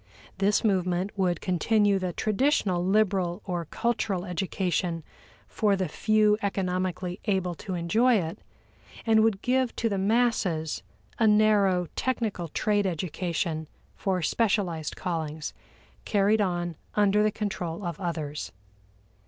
This movement would continue the traditional liberal or cultural education for the few economically able to enjoy it, and would give to the masses a narrow technical trade education for specialized callings, carried on under the control of others.